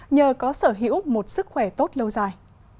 nhờ có sở hữu một sức khỏe tốt lâu dài